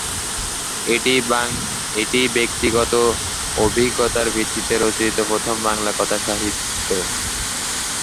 এটিই ব্যক্তিগত অভিজ্ঞতার ভিত্তিতে রচিত প্রথম বাংলা কথাসাহিত্য।